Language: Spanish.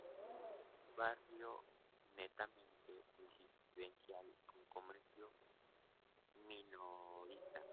Barrio netamente residencial con comercio minorista.